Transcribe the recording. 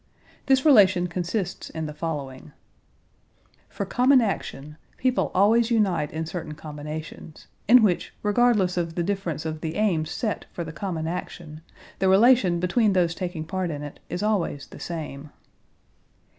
This relation consists in the following: For common action people always unite in certain combinations, in which regardless of the difference of the aims set for the common action, the relation between those taking part in it is always the same.